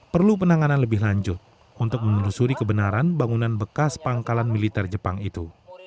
perlu penanganan lebih lanjut untuk menelusuri kebenaran bangunan bekas pangkalan militer jepang itu